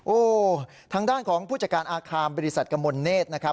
โอ้โหทางด้านของผู้จัดการอาคารบริษัทกมลเนธนะครับ